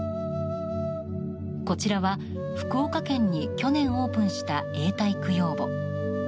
こちらは、福岡県に去年オープンした永代供養墓。